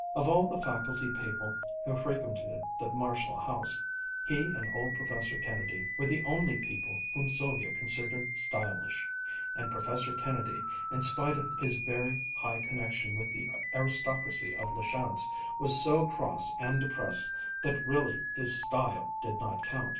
Of all the faculty people who frequented the Marshall house, he and old Professor Kennedy were the only people whom Sylvia considered "stylish," and Professor Kennedy, in spite of his very high connection with the aristocracy of La Chance, was so cross and depressed that really his "style" did not count.